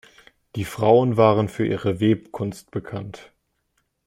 Die Frauen waren für ihre Webkunst bekannt.